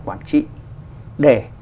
quản trị để